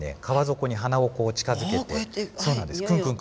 川底に鼻をこう近づけて。